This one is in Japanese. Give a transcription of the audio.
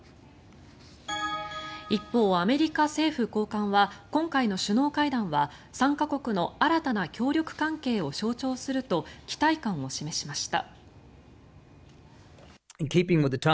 一方、アメリカ政府高官は今回の首脳会談は３か国の新たな協力関係を象徴すると期待感を示しました。